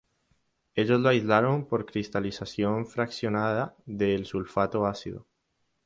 Ellos lo aislaron por cristalización fraccionada de el sulfato ácido.